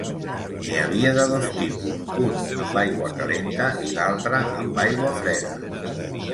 N'hi havia de dos tipus: un amb aigua calenta i l'altre amb aigua freda.